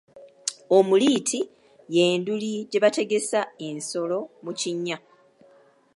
Omuliiti ye nduli gye bategesa ensolo mu kinnya.